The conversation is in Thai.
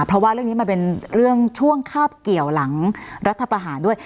เพราะว่าเรื่องนี้มันเป็นเรื่องช่วงคาบเกี่ยวหลังรัฐประหารด้วย